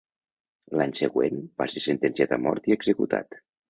L'any següent, va ser sentenciat a mort i executat.